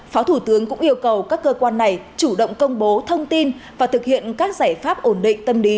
phó thủ tướng cũng yêu cầu các cơ quan này chủ động công bố thông tin và thực hiện các giải pháp ổn định tâm lý